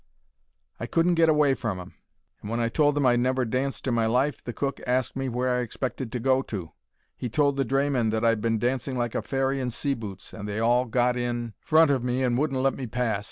I couldn't get away from 'em, and when I told them I 'ad never danced in my life the cook asked me where I expected to go to. He told the drayman that I'd been dancing like a fairy in sea boots, and they all got in front of me and wouldn't let me pass.